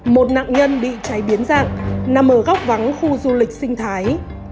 một nạn nhân bị cháy biến dạng nằm ở góc vắng khu du lịch sinh thái